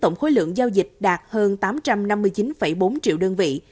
tổng khối lượng giao dịch đạt hơn tám trăm năm mươi chín bốn triệu đơn vị